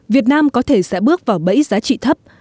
việt nam có thể sẽ bước vào bẫy giá trị thấp